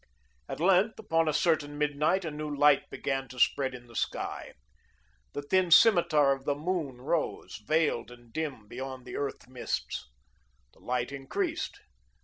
At length, upon a certain midnight, a new light began to spread in the sky. The thin scimitar of the moon rose, veiled and dim behind the earth mists. The light increased.